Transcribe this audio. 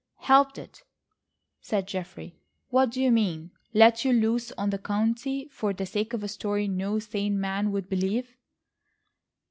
"Helped it!" said Geoffrey. "What do you mean? Let you loose on the county for the sake of a story no sane man would believe?"